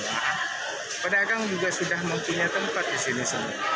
ya pedagang juga sudah mempunyai tempat di sini sendiri